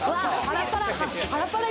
パラパラ。